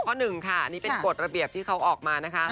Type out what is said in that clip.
หนึ่งค่ะอันนี้เป็นกฎระเบียบที่เขาออกมานะคะ